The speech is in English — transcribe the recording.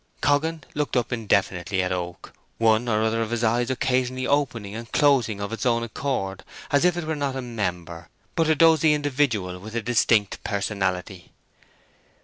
Coggan looked up indefinitely at Oak, one or other of his eyes occasionally opening and closing of its own accord, as if it were not a member, but a dozy individual with a distinct personality.